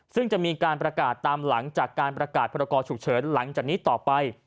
ซึ่งจะมีการประกาศตามหลังจากการประกาศพรกรฉุกเฉินหลังจากนี้ต่อไป